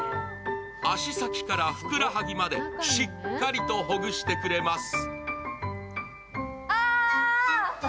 足先からふくらはぎまでしっかりとほぐしてくれます。